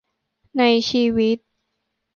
ในชีวิต